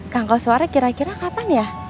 kang kausuara kira kira kapan ya